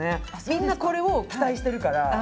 みんなこれを期待してるから。